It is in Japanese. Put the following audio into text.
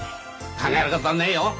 考えることはねえよ。